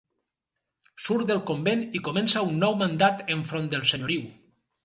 Surt del convent i comença un nou mandat enfront del Senyoriu.